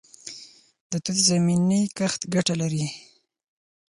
د توت زمینی کښت ګټه لري؟